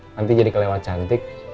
nanti jadi kelewat cantik